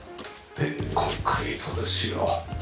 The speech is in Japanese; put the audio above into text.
でコンクリートですよ。